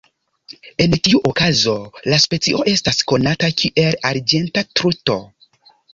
En tiu okazo la specio estas konata kiel "arĝenta truto".